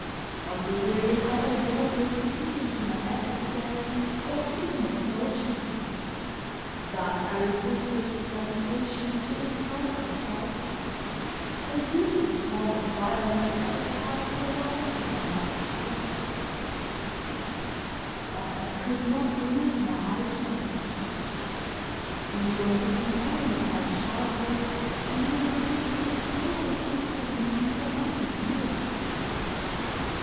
On the way I avoided speaking to my adversary or even approaching him; thus I resisted the temptation to insult or strike him, a useless form of violence at a time when the law recognized the code. But I could not remove my eyes from him. He was the companion of my childhood and we had lived in the closest intimacy for many years.